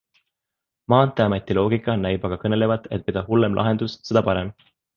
Maanteeameti loogika näib aga kõnelevat, et mida hullem lahendus, seda parem.